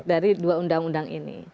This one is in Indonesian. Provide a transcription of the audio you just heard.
dari dua undang undang ini